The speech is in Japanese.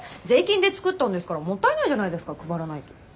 税金で作ったんですからもったいないじゃないですか配らないと。